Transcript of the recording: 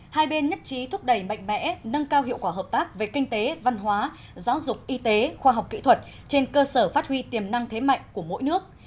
hai bên nhất trí thúc đẩy mạnh mẽ nâng cao hiệu quả hợp tác về kinh tế văn hóa giáo dục y tế khoa học kỹ thuật trên cơ sở phát huy tiềm năng thế mạnh của mỗi nước